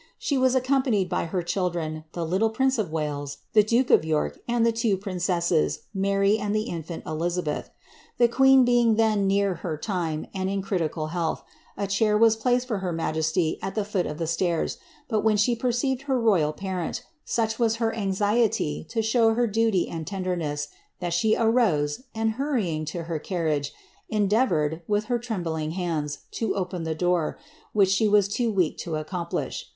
She was accompanied by her children, the little prince of Wales, the duke of York, and the two princesses, Mary and the iniutt Elizabeth. The queen being then near*her time, and in critical health, a chair was placed for her majesty at the foot of the stairs ; but when she perceived her royal parent, such was her anxiety to show her duty and tenderness, that she arose, and hurrying to her carriage, endeavoured, with her trembling hands, to open the door, which she was too weak to accomplish.